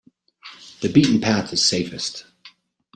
The beaten path is safest.